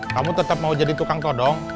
kamu tetap mau jadi tukang todong